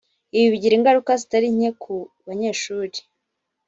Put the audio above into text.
Ibi bigira ingaruka zitari nke ku banyeshuri